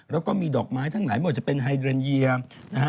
แล้วก็มีดอกไม้ทั้งหลายโหมดจะเป็นฮาโดรินเยียส์